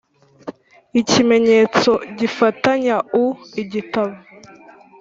Ikimenyetso Gifatanya U Igitabo